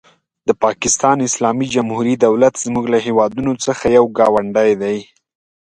د پاکستان اسلامي جمهوري دولت زموږ له هېوادونو څخه یو ګاونډی دی.